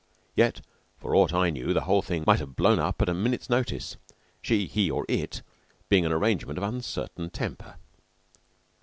Yet for aught I knew, the whole thing might have blown up at a minute's notice, she, he, or it being an arrangement of uncertain temper.